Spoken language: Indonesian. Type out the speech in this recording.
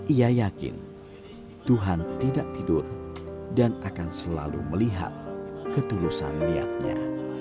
ia yakin tuhan tidak tidur dan akan selalu melihat ketulusan niatnya